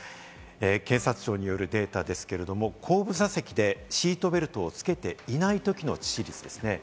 警察庁によるデータですけれど、後部座席でシートベルトをつけていないときの致死率です。